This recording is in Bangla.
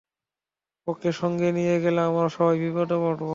ওকে সঙ্গে নিয়ে গেলে, আমরা সবাই বিপদে পড়ব।